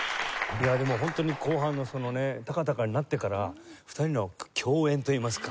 いやでもホントに後半のタカタカになってから２人の競演といいますか。